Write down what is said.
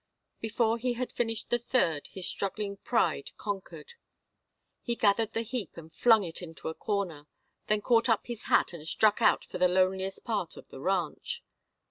Before he had finished the third his struggling pride conquered. He gathered the heap and flung it into a corner, then caught up his hat and struck out for the loneliest part of the ranch.